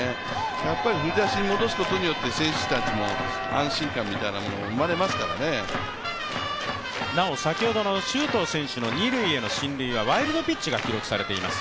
やっぱり振り出しに戻すことによって選手たちも安心感みたいなものがなお、先ほどの周東選手の二塁の進塁はワイルドピッチが記録されています。